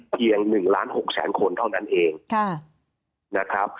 เพียง๑ล้าน๖๐๐คนเท่านั้นเองนะครับ